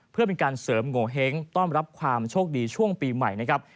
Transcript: เพื่อเป็นการเสริมโงเห้งต้อนรับความโชคดีช่วงปีใหม่นะครับ